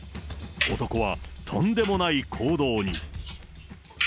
男はとんでもない行動に。